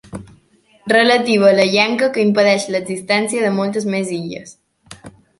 Relativa a la llenca que impedeix l'existència de moltes més illes.